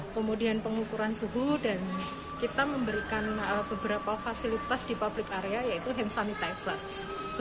kemudian pengukuran suhu dan kita memberikan beberapa fasilitas di public area yaitu hand sanitizer